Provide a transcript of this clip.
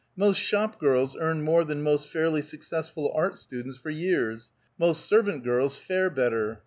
Most shop girls earn more than most fairly successful art students for years; most servant girls fare better.